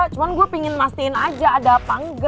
cuma gue pengen mastiin aja ada apa enggak